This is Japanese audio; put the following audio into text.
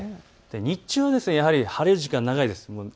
日中はやはり晴れる時間が長いです。